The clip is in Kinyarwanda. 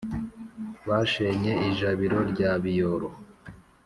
bashenye ijabiro rya biyoro,